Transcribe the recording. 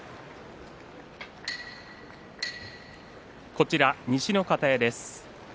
こちら西の方屋です。